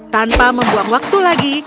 tanpa membuang waktu lagi